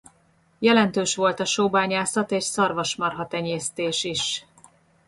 Jelentős volt a sóbányászat és szarvasmarha-tenyésztés is.